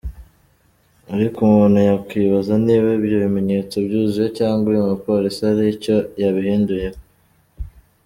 Ariko umuntu yakwibaza niba ibyo bimenyetso byuzuye cyangwa uyu mupolisi hari icyo yabihinduyeho.